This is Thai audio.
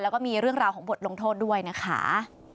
แล้วก็มีเรื่องราวของบทลงโทษด้วยนะคะ